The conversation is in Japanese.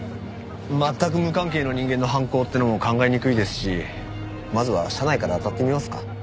全く無関係の人間の犯行ってのも考えにくいですしまずは社内から当たってみますか。